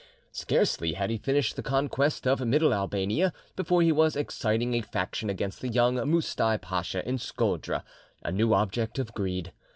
Scarcely had he finished the conquest of Middle Albania before he was exciting a faction against the young Moustai Pacha in Scodra, a new object of greed.